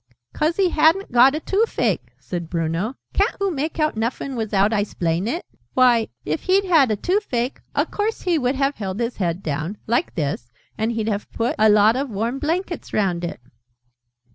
"'cause he hadn't got a toofache!" said Bruno. "Ca'n't oo make out nuffin wizout I 'splain it? Why, if he'd had a toofache, a course he'd have held his head down like this and he'd have put a lot of warm blankets round it!"